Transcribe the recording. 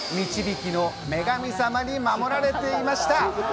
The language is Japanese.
横浜の海は女神様に守られていました。